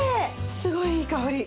すごいいい香り。